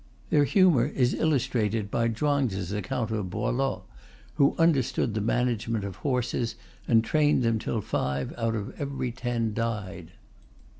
Their humour is illustrated by Chuang Tze's account of Po Lo who "understood the management of horses," and trained them till five out of every ten died.